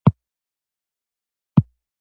د میرویس نیکه مقبره په کندهار کې ده